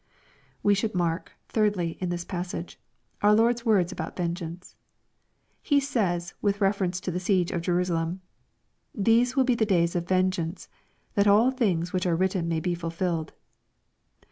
We should mark, thirdly, in this passage, our Lord's words about vengeance. He says, with reference to the siege of Jerusalem, " These be the days of vengeance, that all things which are written may be fulfilled.